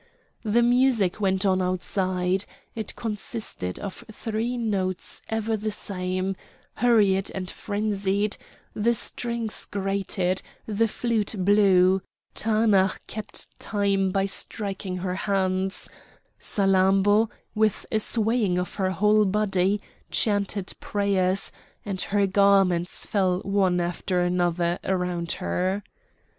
The music went on outside; it consisted of three notes ever the same, hurried and frenzied; the strings grated, the flute blew; Taanach kept time by striking her hands; Salammbô, with a swaying of her whole body, chanted prayers, and her garments fell one after another around her.